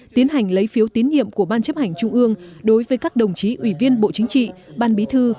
tiến hành lấy phiếu tín nhiệm của ban chấp hành trung ương đối với các đồng chí ủy viên bộ chính trị ban bí thư